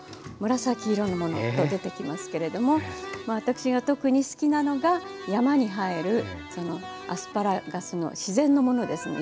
紫色のものと出てきますけれどもまあ私が特に好きなのが山に生えるそのアスパラガスの自然のものですね。